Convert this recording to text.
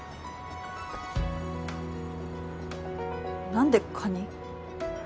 何でカニ？